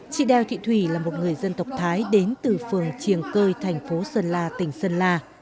chị đeo thị thủy là một người dân tộc thái đến từ phường triềng cơi thành phố sơn la tỉnh sơn la